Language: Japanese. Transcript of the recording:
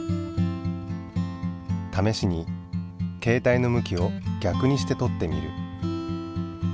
試しにけい帯の向きをぎゃくにしてとってみる。